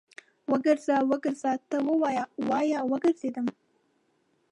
وګرځه، وګرځه ته وايې، وايه وګرځېدم